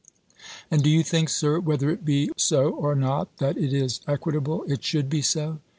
"And do you think, Sir, whether it be so or not, that it is equitable it should be so?"